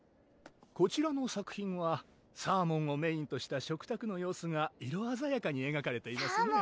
こちらの作品はサーモンをメインとした食卓の様子が色あざやかにえがかれていますね